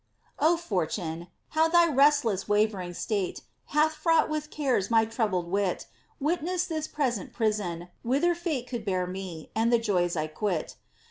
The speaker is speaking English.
Oh, Fortune 1 Low thy restless wavering state Hath fraught with cares my troubled wit, Witness this present prison, whither faie Could bear ine, and the joys I quit.